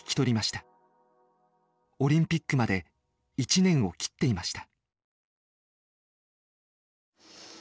オリンピックまで１年を切っていました。